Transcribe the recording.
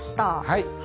はい。